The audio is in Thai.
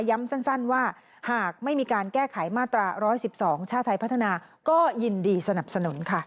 ย้ำสั้นว่าหากไม่มีการแก้ไขมาตรา๑๑๒ชาติไทยพัฒนาก็ยินดีสนับสนุนค่ะ